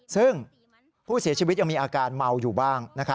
ซึ่งผู้เสียชีวิตยังมีอาการเมาอยู่บ้าง